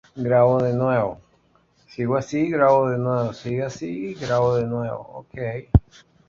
Su primer director y fundador fue el escribano Hernando Navas.